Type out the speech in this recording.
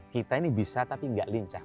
kita ini bisa tapi nggak lincah